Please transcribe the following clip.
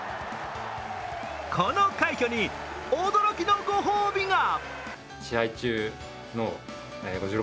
この快挙に驚きのご褒美が。